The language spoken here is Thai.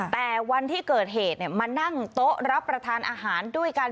แต่วันที่เกิดเหตุมานั่งโต๊ะรับประทานอาหารด้วยกัน